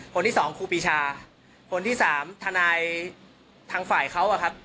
คนที่สองครูปีชาคนที่สามทนายทางฝ่ายเขาอะครับ